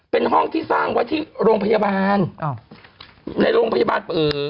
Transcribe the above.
เป็นห้องที่สร้างไว้ที่โรงพยาบาลอ้าวในโรงพยาบาลเอ่อ